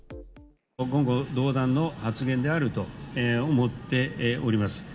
言語道断の発言であると思っております。